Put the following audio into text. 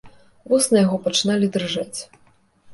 Вусны яго пачыналі дрыжэць.